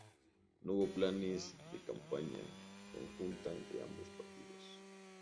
No hubo planes de campaña conjunta entre ambos partidos.